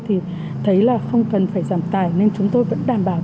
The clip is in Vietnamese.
thì thấy là không cần phải giảm tài nên chúng tôi vẫn đảm bảo